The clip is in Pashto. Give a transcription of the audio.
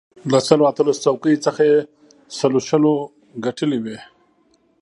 له سلو اتلسو څوکیو څخه یې سلو شلو ګټلې وې.